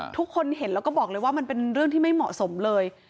ทุกคนเห็นแล้วก็บอกเลยว่ามันเป็นเรื่องที่ไม่เหมาะสมเลย